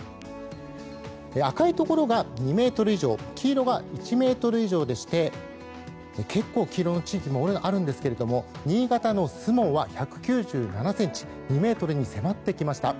赤いところが２ｍ以上黄色が１ｍ以上でして結構黄色の地域もあるんですけども新潟の守門は１９７ｃｍ２ｍに迫ってきました。